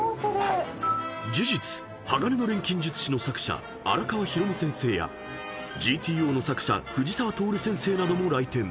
［事実『鋼の錬金術師』の作者荒川弘先生や『ＧＴＯ』の作者藤沢とおる先生なども来店］